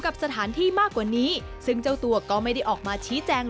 กับสถานที่มากกว่านี้ซึ่งเจ้าตัวก็ไม่ได้ออกมาชี้แจง